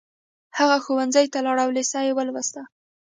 هغه ښوونځي ته لاړ او لېسه يې ولوسته.